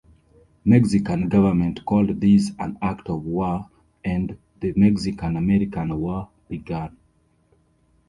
Mexican government called this an act of war, and the Mexican-American War began.